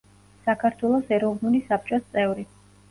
საქართველოს ეროვნული საბჭოს წევრი.